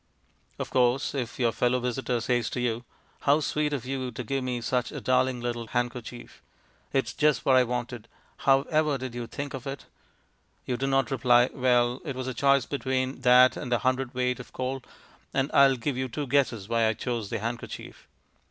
Of course, if your fellow visitor says to you, "How sweet of you to give me such a darling little handkerchief it's just what I wanted how ever did you think of it?" you do not reply, "Well, it was a choice between that and a hundredweight of coal, and I'll give you two guesses why I chose the handkerchief."